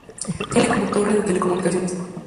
Tiene una torre de telecomunicaciones.